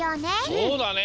そうだね。